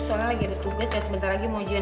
soalnya lagi ada tugas dan sebentar lagi mau ujian